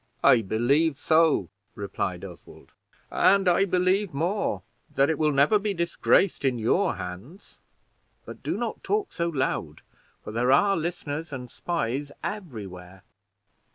"I believe so," replied Oswald; "and I believe more, that it will never be disgraced in your hands; but do not talk so loud, for there are listeners and spies everywhere.